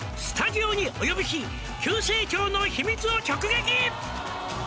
「スタジオにお呼びし急成長の秘密を直撃」